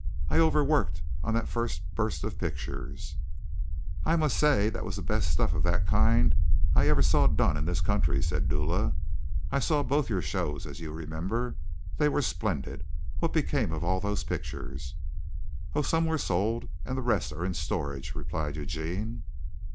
I over worked on that first burst of pictures." "I must say that was the best stuff of that kind I ever saw done in this country," said Dula. "I saw both your shows, as you remember. They were splendid. What became of all those pictures?" "Oh, some were sold and the rest are in storage," replied Eugene.